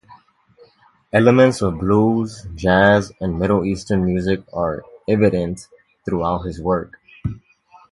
Elements of blues, jazz, and Middle Eastern music are evident throughout his work.